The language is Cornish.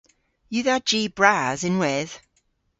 Yw dha ji bras ynwedh?